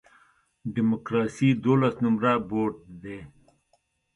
ډیموکراسي دولس نمره بوټ دی.